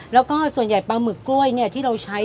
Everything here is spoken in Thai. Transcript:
แล้วก็ส่วนใหญ่ปลาหมึกกล้วยที่เราใช้